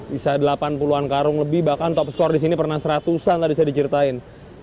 bisa delapan puluh an karung lebih bahkan top score di sini pernah seratusan tadi saya diceritain